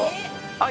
はい。